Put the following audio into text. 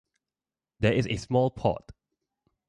There is a small port.